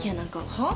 はっ？